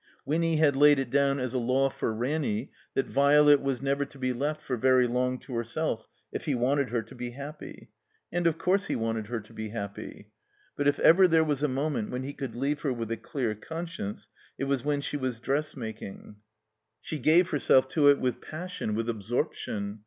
Winny had laid it down as a law for Ranny that Violet was never to be left for very long to herself, if he wanted her to be happy. And, of course, he wanted her to be happy. But if ever there was a moment when he could leave her with a clear conscience it was when she was dressmaking. 231 THE COMBINED MAZE She gave herself to it with pasdon, ^ ith absorption.